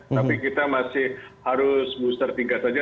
tapi kita masih harus booster tingkat saja